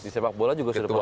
di sepak bola juga sudah punya